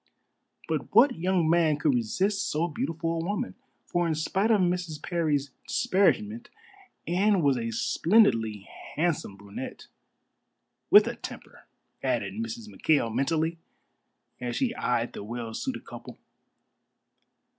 But what young man could resist so beautiful a woman? For in spite of Mrs. Parry's disparagement Anne was a splendidly handsome brunette "with a temper," added Mrs. McKail mentally, as she eyed the well suited couple.